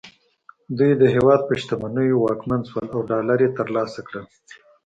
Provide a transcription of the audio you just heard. دوی د هېواد په شتمنیو واکمن شول او ډالر یې ترلاسه کړل